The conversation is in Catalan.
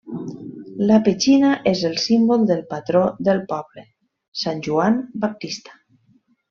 La petxina és el símbol del patró del poble, Sant Joan Baptista.